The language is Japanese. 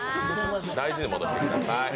大事に戻してください。